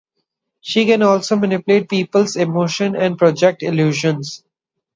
She can also manipulate people's emotions, and project illusions.